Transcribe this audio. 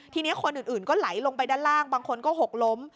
ทีนี้คนอื่นก็ไหลลงไปด้านล่างบางคนก็หกล้ม